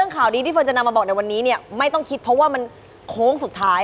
ข่าวดีที่เฟิร์นจะนำมาบอกในวันนี้เนี่ยไม่ต้องคิดเพราะว่ามันโค้งสุดท้าย